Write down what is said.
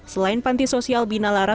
selain panti sosial binalara